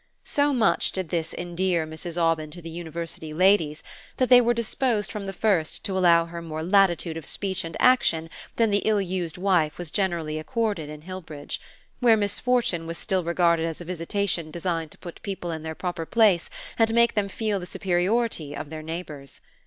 So much did this endear Mrs. Aubyn to the university ladies that they were disposed from the first to allow her more latitude of speech and action than the ill used wife was generally accorded in Hillbridge, where misfortune was still regarded as a visitation designed to put people in their proper place and make them feel the superiority of their neighbors.